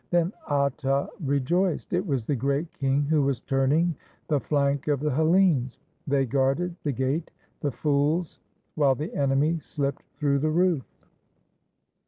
Then Atta rejoiced. It was the Great King who was turning the flank of the Hellenes. They guarded the gate, the fools, while the enemy slipped through the roof.